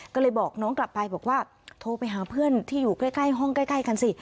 ก็เลยบอกน้องกลับไปบอกว่าโทรไปหาเพื่อนที่อยู่ใกล้ห้องใกล้กันสิ